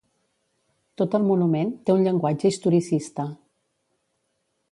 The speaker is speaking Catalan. Tot el monument té un llenguatge historicista.